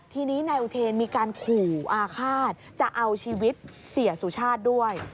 ทีนี้นายอุเทนมีการขู่อาฆาตจะเอาชีวิตเสียสุชาติด้วย